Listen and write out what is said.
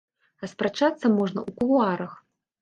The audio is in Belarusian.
А спрачацца можна ў кулуарах.